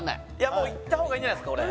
もういった方がいいんじゃないすか？